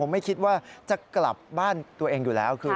ไม่คิดว่าจะกลับบ้านตัวเองอยู่แล้ว